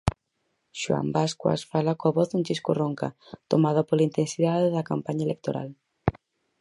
Xoán Bascuas fala coa voz un chisco ronca, tomada pola intensidade da campaña electoral.